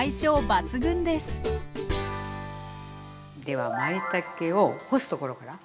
ではまいたけを干すところから。